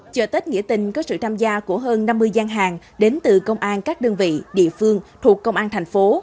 chợ tết nghĩa tình có sự tham gia của hơn năm mươi gian hàng đến từ công an các đơn vị địa phương thuộc công an thành phố